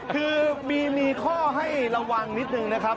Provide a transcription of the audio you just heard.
คือมีข้อให้ระวังนิดนึงนะครับ